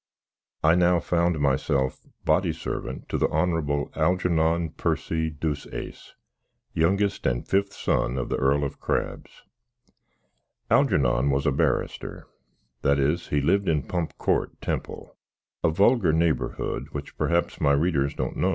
I now found myself boddy servant to the Honrabble Halgernon Percy Deuceace, youngest and fith son of the Earl of Crabs. Halgernon was a barrystir that is, he lived in Pump Court, Temple; a wulgar naybrood, witch praps my readers don't no.